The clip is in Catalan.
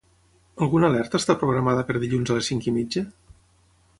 Alguna alerta està programada per dilluns a les cinc i mitja?